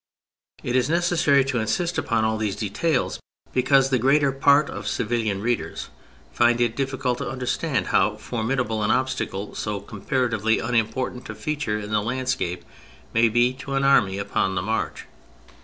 It is necessary to insist upon all these details because the greater part of civilian readers find it difficult to understand how formidable an obstacle so comparatively unimportant a feature in the landscape may be to an army upon the march.